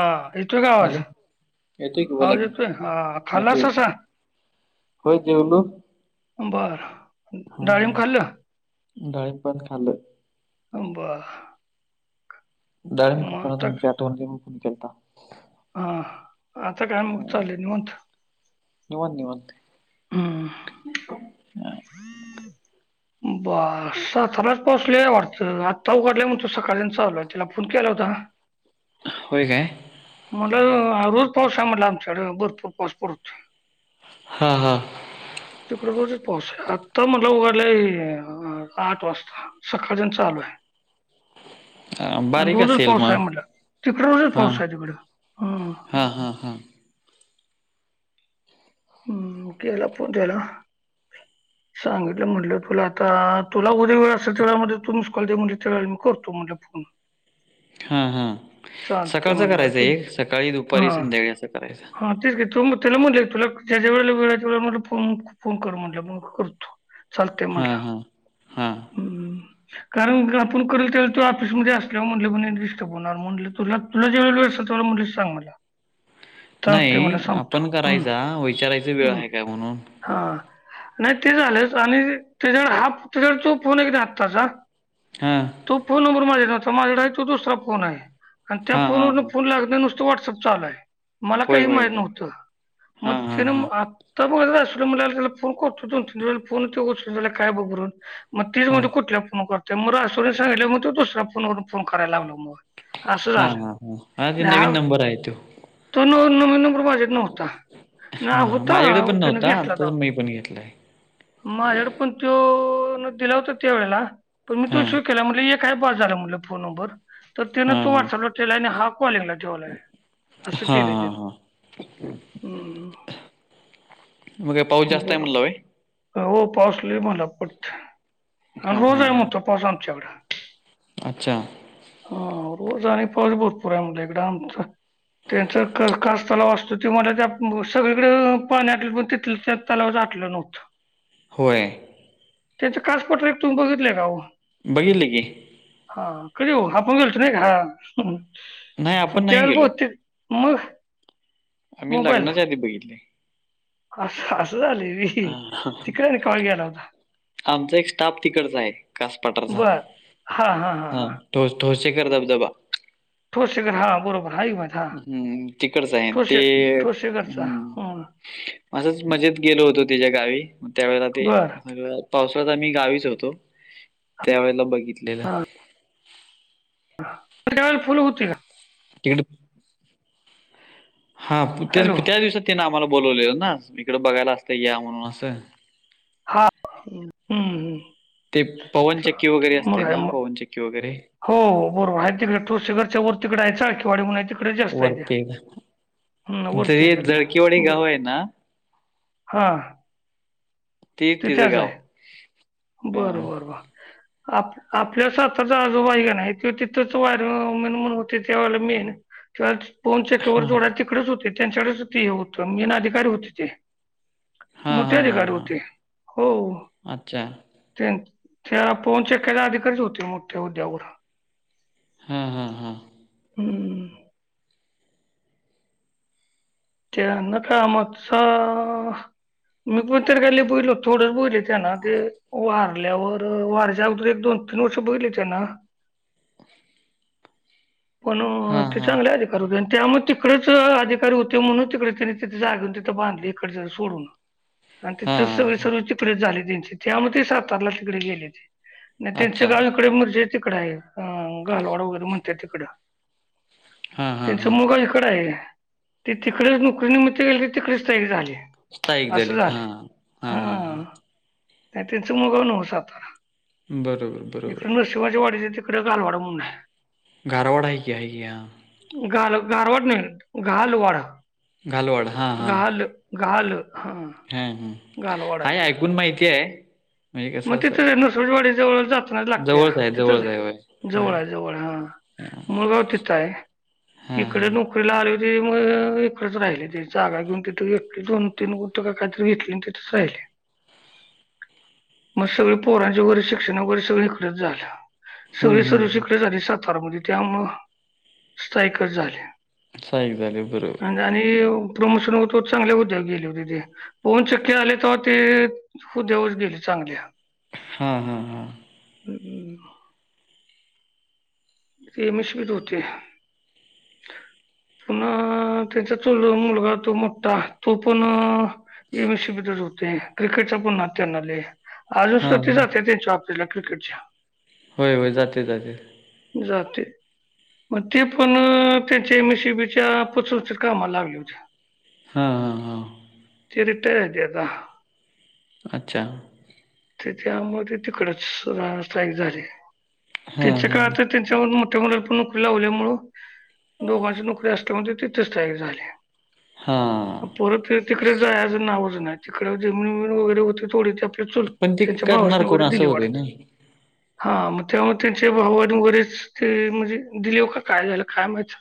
हा येतोय का आवाज? हॅलो येतोय की बोला आवाज की येतोय? हा येतोय येतोय खालासासा? होय, जेवलो. बरं. हा, डाळीम पण खालं. बरं. डाळिंब खाताना आता तुमची आठवणं [unintelligible] फोन केलता. हा, आता काय मग? हं, चालय निवांत. निवांत निवांत. हम्म. [unintelligible] बरं, साताऱ्यात पाऊस लईये वाटतं. आता उघडलाय म्हणतो, सकाळधरण चालूय. तिला फोन केला होता ना. होय काय? म्हटलं रोज पाऊस आहे म्हटला आमच्याकडे, भरपूर पाऊस पडतूय. हा हा. तिकड रोजच पाऊस, आत्ता म्हणला उघडलाय आठ वाजता. सकाळधरणं चालूय. अ, आणि बारीक रोजच असेल पाऊस मग आहे म्हटला. तिकड रोजच पाऊस आहे तिकडं. [unintelligible] हां हां हां. हम्म, केला फोण त्याला सांगितलं म्हटलं, तुला आता तुला उद्या वेळ असल, त्याला म्हटलं तू मिस कॉल दे म्हणलं. त्या वेळी मी करतो म्हटलं फोन. हा हा, चालतंय सकाळचं म्हटलं करायचं तू एक. सकाळी, दुपारी, संध्याकाळी असं करायचं. हा तेच की, तुम त्याला म्हटलं की, तुला ज्या ज्या वेळेला वेळ आहे. त्यावेळेला म्हणलं फोन कर म्हटलं मग करतो. चालतय म्हणला. हां. कारण का आपण करल त्या वेळेस तो ऑफिसमध्ये असल्यावर म्हणल डिस्टर्ब होणार म्हणल तुला तुला ज्यावेळेला वेळ असेल, तवा म्हणलं सांग मला. चालतंय मला नाही, सांगतो आपण हं, करायचा, विचारायचा वेळ आहे काय म्हणून? हा. नाही ते झालेच आणि त्याच्या हा त्याच्या तो फोन एक नाही आत्ताचा हां. तो फोन नंबर माझ्या न्हता माझकडे आहे तो दुसरा फोन आहे आणि हा हा फोनवरन हा फोन लागत नाही नुसत व्हॉट्अप चालुय. मला होय काही होय माहीत होय नव्हतं हा मग हा हा तेन आ [inaudible] मग तेच हा. म्हणतो कुठल्या फोन करतोय, मग [unintelligible] सांगितल्यावर मग तो दुसऱ्या फोनवर फोन करयला लावला मग. असं हा झालं हा हा हा ते नवीन नंबर आहे तो. तो न नवीन नंबर माज्याकड नव्हता ना हां हां होता माझ्याकडे पण त्यान नव्हता घेतला आता तेव्हा. मी पण घेतला आहे. माझ्याकड पण तो दिला होता त्यावेळला पण मी तो हां सेव केला म्हणल एक हाय बास झाला म्हणाल फोन नंबर तर तो हां तो हां. वाट्सअपला ठेवलाय आणि हा कॉलिंगला ठेवलाय असं हां केलंय हां त्येन. हां. हम्म. मग काय पाऊस जास्त आहे बर म्हणला व्हय? हो पाऊस लय मणला पडतय आणि हां रोज हां आहे हां. म्हणतोय पाऊस आमच्याकड. अच्छा. हा रोज आणि पाऊस भरपुर आहे मणला इकडं आमचं त्यांचा का कास तलाव असतो ते मणला त्या सगळीकडल पाणी आटल पण तिथल [unintelligible] तलावाच आटलं नव्हतं. होय. त्याच कास पठार एक तुम्ही बघितले का ओ? बघितल की. कधी हो आपण गेल तो नाही का हा. नाही पण आपण नाही त्यावेळेला गेलो. बहुतेक मग आम्ही मोबाईलला लग्नाच्या आधी बघितले. असं असं झालंय व्हय हां. तिकडे न कवा गेला होता? आमचा एक स्टाफ तिकडचा आहे कासपटारचा बर हा. तोस ठोचे कर धब धबा. ठोसेकर हा बरोबर हाय हा हम्म तिकडच आहे ते ठोसे ठोसेकरचा हम्म. हं असंच मजेत गेलो होतो तेच्या गावी त्या वेळेला ते बर सगळं पावसाळ्यात आम्ही गावीच होतो त्या वेळेला बघितलेलं. त्यावेळेला फुल होती का? तिकडं हा ते हॅलो त्या दिवसात त्यांने आम्हाला बोलवलेलं ना इकडं बघायला असत या म्हणून असं. हा हम्म हम्म. ते पवनचक्की चालतंय. वगैरे मग असते आहे ना मग पवनचक्की वगैरे. हो हो बरोबर आहे तिकडे ठोसेकडच्या वर तिकड हाय चाळकीवाडी म्हणुन आहे ति तिकडच जास्त हायती वरती वरती जरी हायती लय जळकीवाडी बरोबर. गाव आहे ना हां. ती तिच गाव. हा बरं बर बर आप आपल्या सातार च आजोबा हायकणी तो तिथंच वार मेन म्हणून होते तेव्हा मेन तेवा पवनचक्क्या वर हा जोडाय तिकडेच होते त्यांच्याकडेच ते हे होतं मेना अधिकारी होते ते. हा हा हा मोठ्याधिकाार हा होते हो, अच्छा, ! त्या फोन चेक केयला अधी कधच होते. मोठे उद्यावढ, हा.? हम्! त्या न कामतचा मीणत कायले बोललो थोड बोलले त्या ना ते वारल्यावर- वारच्या अगोदर एक, दोन तीन बघली त्यांना [inaudible] पण हा ते हा चांगले अधिकार होते, आणि त्यामुळे तिकडेच अधिकारी होते? म्हणून तिकडे तिथ जागेऊन तिथंांधली इकडे सोडून आणि तिथ हा सग स हा त झाले त्यांचे ते आ म ते सातारला तिकडे गेले ते, त्यांच्या अच्छा गावकडे म्हणजे तिकड आहे गालवाड वगैरे म्हणते तिकडं, हा हा त्यांच हा मुग इकड आहे. ते तिकडेच नोकरी निमित्त गेले क तिकडेच तयारी झाली. स्थायिक असे झालेत हा हा हा हा झालं त्यांचं मुगव न हो सातारा बरोबर, बरोबर शिवाजवाडीं तिकडें आहे [inaudible] घारवाड आहे क आहे क, घाल गारवड नाही घाल वाडा घालवाड हा हा घाल, घाल हां हा हम घालवाड आहे आहेाय ऐकून माहिती आहे. म्हणजे मग कसं तिथंच आहे असं नुसजवाडी जवळ जातना लागतेय जवळच आहे तिथंच जवळच होय आहे जवळ आहे होय जवळ हा, मुळगाव तिथं आहे. हा.? इकडे हा नोकरीला आली हो मग इकडच राहिली त जागा घेऊन तिथे घेतली दोन तीन ग घेतले राहिले [unintelligible] मग सगळे पोरांच्या वैरे शिक्षण, वगैरे सगळ इकडेच झालं हम्म सगळे सर्व हम्म शिककडेच झा सातारामध्ये, त्यामुळ स्थायकर झाले. सहा एक झाले बरोब [inaudible] आणि- आणि प्रमोशन होतो चांगले उद्योग गेले होते ते, पोन चक्के आले तर ते खू देऊच गेली चांगली. हां हां हां? हम्म, ! तेमश भी ध होते [unintelligible] पुन्हा त्याचा चुल मुलगा तो मोठठा, तो पण एम एससी बीतच होते क्रिकेटचा पण नात्यान आले. हा आजून ति हा ज त्यांच्याॉला क्रिकेटच्या होय, होय, जाते घंटे, जाते, मग ते पण त्यांच्या एम एसीबीच्या पतृ कामाला लागले होते. हा हा हा, ते रिटयर दता [inaudible] अच्छा. ! ते त्यामध्ये तिकडच रा स्थायिक झाले. हा त्यांच्या हा काळात त्यांच्या मोठ्या मोल पण नोकरी लावल्यामु दोघांची नोकरी असल्यामुळे तिथे स्थायिक झाले. हा. परत ती तिकडे जायाच नावंच नाही. तिकडे जमीन बिविन वगैर होती थोडी ते आपली चुल पण ते त्यांच्या करणार भावासनी कोण वगैरे असं दिली होते वाटतं, नाही हा मग त्यामुळे त्यांचे भावांनी वगैरे ते म्हणजे दिलोय का काय झालं काय माहित?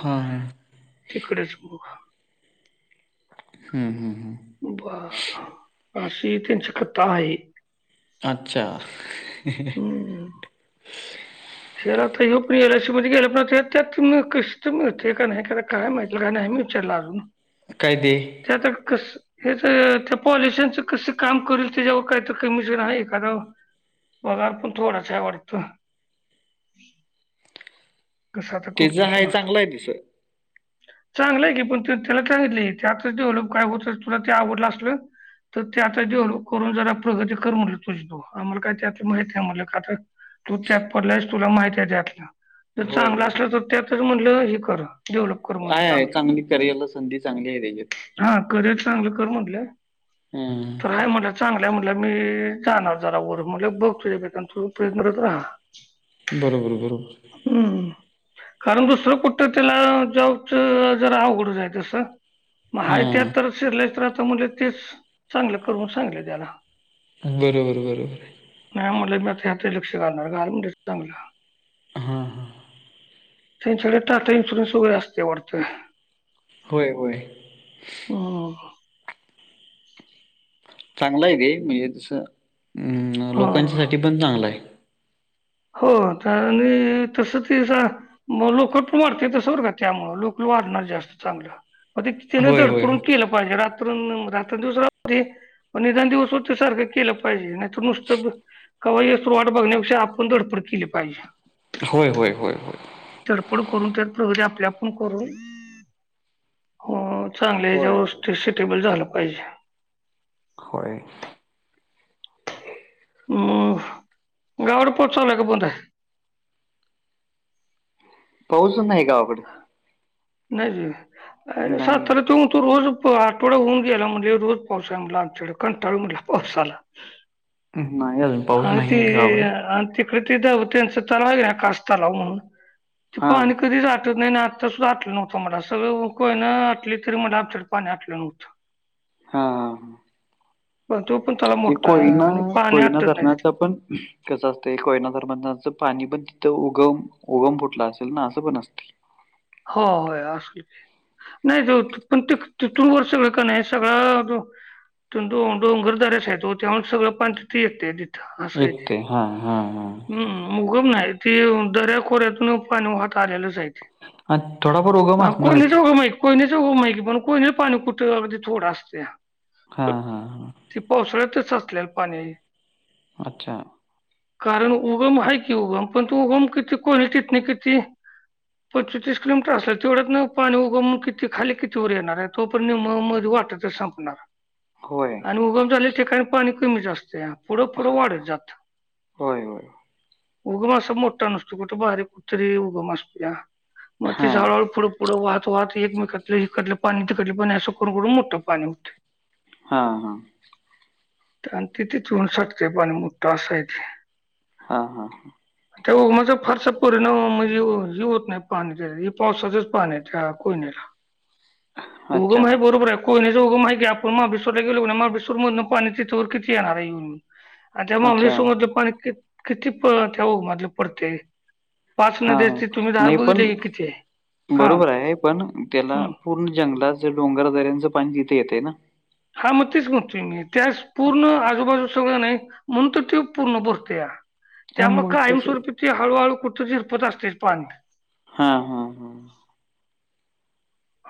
हां. तिकडेच गुहा हम्म हम्म. बरं, अशी त्यांच्यी कथा आहे. अच्छा. शेअर आता ह्यो, प्री. एल. आय. सी. मध्ये गेला. पण ते त्यात कष्ट, मिळते का नाही का काय माहित? त्याला काय नाही मी त्याला अजून काय ते? ते आता कसं? हेजं त्या पॉलीश्यानचं कसं काम करील त्याच्यावर काय तर कमिशन आहे एखादाव? पगार पण थोडाच आहे वाटतं. ह् तेज हाय, चांगलं आहे तसं. [unintelligible] चांगलंय की पण त त्याला सांगितले त्यातच डेव्हलप काय होत तुला ते आवडलं असलं तर ते आता डेव्हलप करून, जरा प्रगती कर म्हणलं तुझी तू. आम्हाला काय त्यातलं माहित नाही. म्हणलं का तर तू त्यात पडलायस, तुला माहिती आहे त्यातलं. जर होय चांगलं होय असलं तर त्यातच म्हणलं हे कर डेव्हलप. कर म्हणलं आहे आहे, चांगलं चांगली करिअरला संधी चांगली आहे त्याच्यात. हा, करिअर चांगलं कर म्हणलं. हम्म. तर आहे म्हणला, चांगल आहे म्हणाला मी जाणार जरा वर. मग म्हणलं बघ तुझ्या बेतानं, तु प्रयत्न करत राहा. त बरोबर बरोबर. हम्म, कारण दुसरं कुठं त्याला जॉबच जरा अवघडच आहे तसं. मग हाय हां त्यात तर शिरलास तर, आता म्हणलं तेच चांगलं कर म्हणून सांगितले त्याला. बरोबर बरोबर आहे. नाही म्हणला, मी आता ह्यातच लक्ष घालणार. घाल म्हणलं चांगलं. हां हां. त्यांच्याकडं टाटा इन्शुरन्स वगैर असतंय वाटतं. होय होय. हम्म. चांगला आहे गं हे. मग हेच अ हा. लोकांच्या साठी पण चांगलं आहे. हो आणि तसं तेचा मग लोकं पण वाढतेत, तसं बरं का? त्यामुळं लोकल वाढणार जास्त चांगलं. म तेने होय होय धडपडून केलं पाहिजे. रात त्रन रात्रंन दिवस राहू दे, पण निदान दिवसभर तर सारखं केलं पाहिजे. नाहीतर नुसतं कवा येस तवर वाट बघण्यापेक्षा, आपण धडपड केली पाहिजे. होय होय होय होय. धडपड करून, त्यात प्रगती आपली आपण करून हो चांगल्या होय ह्याज्यावरच, होय ते सिटेबल झालं पाहिजे. होय. हम्म गोड पचायलाय का बंद आहे पाऊसच नाही गावाकडं नाही जी नाही सात त आहे तो रोज आठवडा होऊन गेला म्हणजे रोज पाऊस आहे म्हटला आमच्याकडे कंटाळू म्हटला पावसाला हम्म नाही अजून आ पाऊस ते नाही आहे गावाला आ ते प्रकृती दावतय असं दावतय कास तलाव म्हणून ते हा पाणी कधीच आटत नाही आत्ता सुद्धा आटलं नव्हतं मला सगळं कोयन आटली तरी मला आमच्याकडे पाणी आटलं नव्हतं हा हा तोपण तलाव ते मोठा आहे कोयना आणि पाणी कोयना आटत नाही धरणाचं तिथलं. पण कसं असतयं कोयना धरणाचं पाणी पण तिथं उगम उगम फुटलं असेल ना असं पण असतय हो होय असेल की नाही जा पण ते तिथू तिथून वर सगळं का नाही सगळं तिथून डोंगरदऱ्याच आहे त्यामुळे सगळं पाणी तिथं येतंय येतंय हा हा हा हम्म उगम नाही ते दऱ्या खोऱ्यातून पाणी वाहात आलेलंच आहे ते हा थोडाफार उगम हा असणारच कोयणचं उगम कोयणचं पाणी कुठं अगदी थोडं असतयं हा हा हा ते पावसाळ्यात साचलेल पाणी आहे हे अच्छा कारण उगम हाय की उगम पण तू उगम किती [inaudible] किती पचतीस किलोमीटर असलं तेवढ्यात पाणी उगम किती खाली किती वर येणार आहे तोपर्यंत निम्म मधे वाटतच संपणार होय. आणि उगम झाले ठिकाणी पाणी कमीच असतयं पुढं पुढं वाढत जात होय, होय. उगम असं मोठा नसतो कुठे बारीक कुठतरी उगम असतोय मग तेच हां. हळूहळू पुढं पुढं वाहत वाहत एकमेकातलं हिकडल पाणी तिकडलं पाणी असं करून करून मोठं पाणी होतंय हा हा तिथेच होऊन शकते पाणी मोठं असा आहे. ते हा हा तो उगमाचा फारसा परिणाम म्हणजे हे होत नाही पाणी हे पावसाचच पाणी आहे, त्या कोयनेला अच्छा, उगम आहे बरोबर आहे कोयनचं उगम आहे की आपण महाबळेश्वराला गेलो ना महाबळेश्र्वरमधूनं पाणी तिथं वर किती येणार आहे येऊन येऊन आणि त्या अच्छा. महाबळेश्वर मधलं पाणी किती प त्या [inaudible] पडतंय पाच हां, हां. नद्यांचा तुम्ही धार नाही ब बरोबर आहे पण त्याला हम्म पूर्ण जंगलाच डोंगर दऱ्यांचं पाणी तिथे येतय ना हा मग तेच म्हणतोय मी त्यास पूर्ण आजूबाजूला सगळं नाही म्हणून तर तो पूर्ण भरतोय हां, त्यामुळे मग तसं. कायमस्वरूपी हळूहळू कुठं झिरपत असतय पाणी हा हा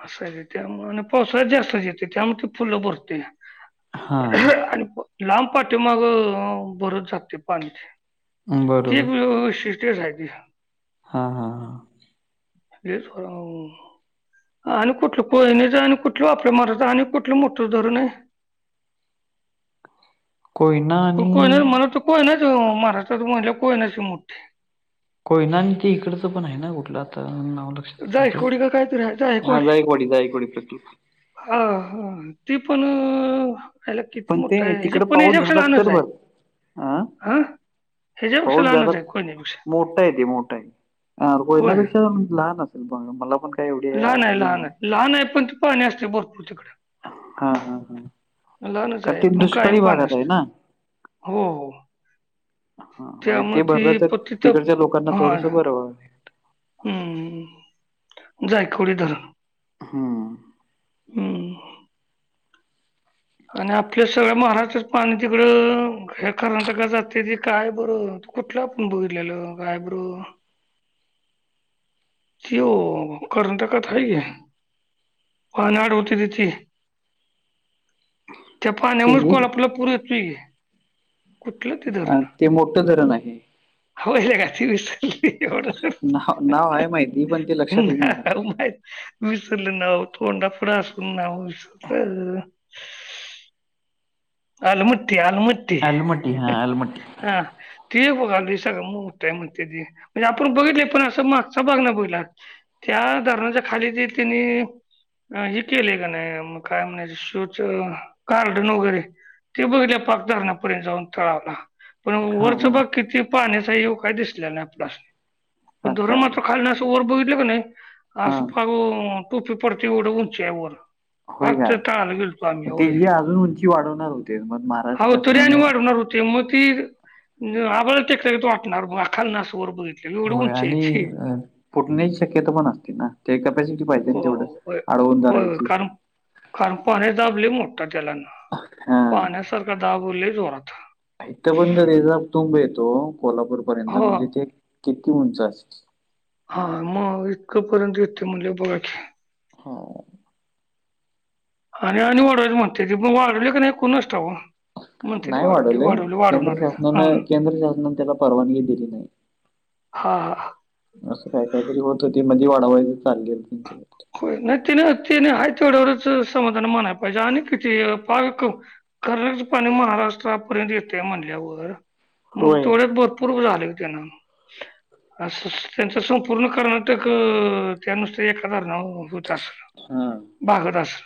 असं हाय व्हय त्यामुळे आणि पावसाळ्यात जास्तच येते त्यामुळे त फुलं भरते हां, आणि लांब पाठीमागे भरत जातंय पाणीचे ती एक बरोबर. वैशिष्टय ची आहे ती हा हा हां येच [inaudible] आणि कुठल कोयणेच आणि कुठलं आपल्या माराच आणि कुठलं मोठं धरून आहे. कोयना, आणि कोयना मला वाटतं तर कोयना नाच महाराष्ट्रात म्हनल्यावर कोयना च मोठ्ठी. कोय ना आणि ते इकडचं पण आहे ना कुठलं आता नाव जायकवाडी का काहीतरी आहे हा जाईकवाडी, जाईकवाडी प्रकल्प. हा हा ते पण याला किती पण ते मोठ आहे तिकडं हच्यापण पाऊस हच्यापेक्षा झाला लहानच तर आहे बरं. हं बहुद जादा मोठा आहेे ते मोठ आहे. होय. कोयनापेक्षा जरा लहान असल. मला पण काही एवढी लहान आहे हे लहान नाही. आहे लहान आहे पण पाणी असतंय भरपूर तिकडं. हा हा हा लहानच कारण हाय ते पण कायम दुष्काळी पाणी भागात आहे असंतय. ना. हो हो हा म्हणजे त्यामुळे ते भरलं तर ती तिकडच्या लोकांना थोडस बरं वाटेल. हम्म जायकवडी धरण. हंम्म हम्म आणि आपल्या सगळ्या महाराष्ट्रच पाणी तिकडं, हे कर्नाटकात जातय ती काय बर कुठलं आपण बघितलेल काय बरं, ती वो कर्नाटकात हाय की. पान आड होती त्याची [inaudible] त्या ते पाण्यामुळच हे कोल्हापूरला पुर येतय की. कुठलं ते अ, धरण ते मोठं धरण आहे. अव लेका ती विसरल कि. असुदे, ना नाव आहेय माहिती पण ते लक्षात येईना झालं. नाही माहिती, विसरलं नाव तोंडा पुढं असून नाव विसरलं अलमट्टी अलमट्टी अलमटी हा अलमटी. हां ते बघाकी सगळे मोठाय म्हणत्याती आपण बघितलय पण असं मागचा भाग नाही बघितला. त्या धरणाच्या खाली जे हाय कनी हे केलेय का नाही मग काय म्हणायचं सुचना गार्डन वगैरे ते बघतलय पाक धरणापर्यंत जाऊन तळाला पण हा वरचा भाग हा किती पाहण्याचा योग काय दिसला नाही आपल्या पण अच्छा धरण मात्र खालन असं वर बघितलं कनी, हा असं पाक टोपी पडत्या अस उंची हाय वर होय पाक त्या काय. तळाला गेलतो आम्ही ते होय. हे अजून उंची वाढवणार होते मग अवो महाराष्ट्र तरी आणि शासनानं वाढवतात होते. ते मग ती आभाळाला टेकल्यागत वाटणार खालन अस वर बघितल् की, होय आणि फुटण्याची शक्यता पण असते ना. ते कॅपॅसिटी पाहिजे ना हो तेवढ होय आडवून होय धरायची. कारण कारण पाणीचा दाब लै मोठा त्यालाना हा. पाण्यासारखं दाब लय जोरात, इथं पर्यंत त्यचा तुंब येतो कोल्हापूर पर्यंत हो म्हणजे ते किती उंच असल. हा मग इतकं पर्यंत येते मग बघा कि हा आणि आणि वाढवायची म्हणत्यात ती ते पण वाढवल की नाही कोणास ठाव? म्हणते ते नाही वाढवले केंद्र वाढवणार आहेत हा शासनान केंद्र- शासनाने त्याला परवानगी दिली नाही. हां, हा, असं काय कायतरी होत, ते म्हणजे वाढवायचं चाललेल त्यांचे होय नाही ति नाही त नाही आहे तेवढ्यावरच समाधाान म मानाय पाहिजे आणि किती पाक खण्याच पाणी महाराष्ट्रापर्यंत येतंय म्हणल्यावर मग होय. तेवढच बघ पूर्ण झाल की त्यांन असं त्यांच्या संपूर्ण कर्नाटक अं त्यानुसार ते एका धरणावर होते आस हा, बाग तास